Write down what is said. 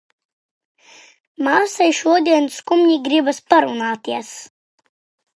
Māsai šodien skumji, gribas parunāties.